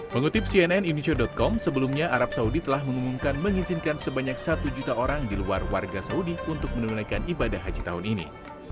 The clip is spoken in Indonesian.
mengutip cnn indonesia com sebelumnya arab saudi telah mengumumkan mengizinkan sebanyak satu juta orang di luar warga saudi untuk menunaikan ibadah haji tahun ini